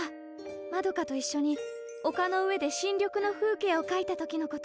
まどかといっしょにおかの上で新緑の風景を描いた時のこと。